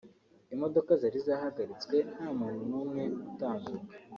imodoka zari zahagaritswe nta muntu n’umwe utambuka